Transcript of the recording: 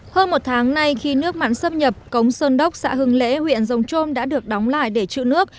hơn một tháng nay khi nước mặn xâm nhập cống sơn đốc xã hưng lễ huyện rồng trôm đã được đóng lại để chữ nước